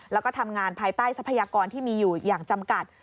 แล้วก็ทำงานภายใต้ทรัพยากรที่มีอยู่อย่างจำกัด